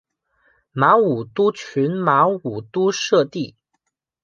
马武督群马武督社地。